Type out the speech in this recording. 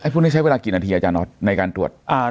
พวกนี้ใช้เวลากี่นาทีอาจารย์น็อตในการตรวจ